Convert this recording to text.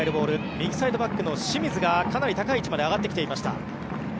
右サイドバックの清水がかなり高い位置まで上がってきていました。